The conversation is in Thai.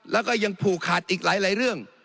แล้วก็ยังผูกขาดอีกหลายเรื่อง